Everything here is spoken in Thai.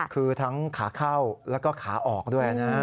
คือทั้งขาเข้าแล้วก็ขาออกด้วยนะ